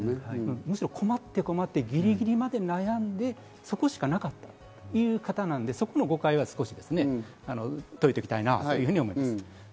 むしろ困って困って、ぎりぎりまで悩んで、そこしかなかったという方なので、そこの誤解は少し解いておきたいと思います。